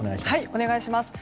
お願いします。